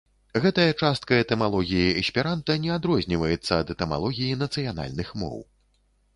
Гэтая частка этымалогіі эсперанта не адрозніваецца ад этымалогіі нацыянальных моў.